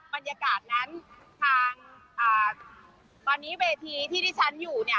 บรรยากาศนั้นทางตอนนี้เวทีที่ที่ฉันอยู่เนี่ย